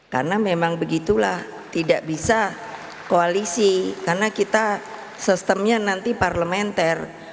karena memang begitulah tidak bisa koalisi karena kita sistemnya nanti parlementer